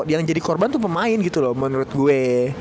yang jadi korban tuh pemain gitu loh menurut gue